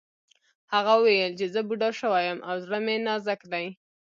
هغه وویل چې زه بوډا شوی یم او زړه مې نازک دی